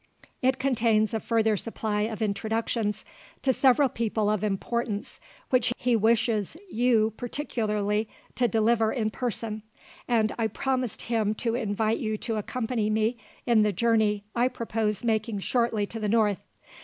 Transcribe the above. It contains a further supply of introductions to several people of importance which he wishes you particularly to deliver in person, and I promised him to invite you to accompany me in the journey I propose making shortly to the north.